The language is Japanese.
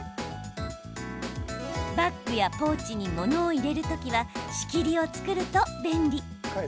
バッグやポーチにものを入れる時は仕切りを作ると便利。